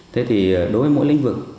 thế thì đối với mỗi lĩnh vực